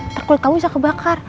ntar kulit kamu bisa kebakar